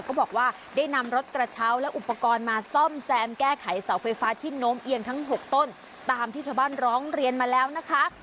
ก็บอกว่าได้นำรถกระเช้าและอุปกรณ์มาซ่อมแซมแก้ไขเสาไฟฟ้าที่โน้มเอียงทั้ง๖ต้นตามที่ชาวบ้านร้องเรียนมาแล้วนะคะ